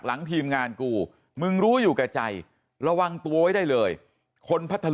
หลังทีมงานกูมึงรู้อยู่กับใจระวังตัวไว้ได้เลยคนพัฒน